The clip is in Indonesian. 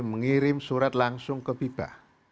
mengirim surat langsung ke bipa